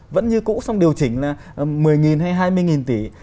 vẫn như cũ xong điều chỉnh là một mươi hay hai mươi tỷ